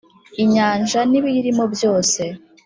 Inyanja n ibiyirimo byose